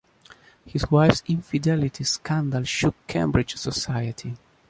His wife’s infidelity scandal shook Cambridge society.